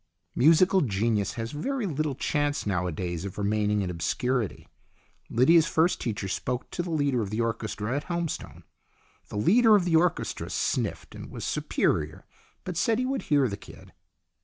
Musical genius has very little chance nowadays of remaining in obscurity. Lydia's first teacher spoke to the leader of the orchestra at Helmstone. The leader of the orchestra sniffed and was superior, but said he would hear the kid.